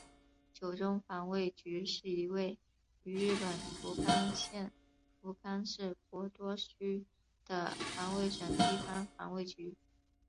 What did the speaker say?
九州防卫局是一位于日本福冈县福冈市博多区的防卫省地方防卫局。